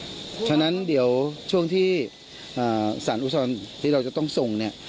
เพราะฉะนั้นเดี๋ยวช่วงที่สารอุทธรณ์ที่เราจะต้องส่งเนี่ย